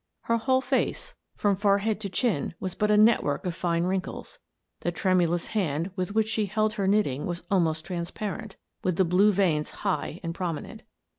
Her whole face, from forehead to I Meet Mrs. Maria Bladesdell 199 as chin, was but a network of fine wrinkles ; the tremu lous hand with which she held her knitting was almost transparent, with the blue veins high and prominent.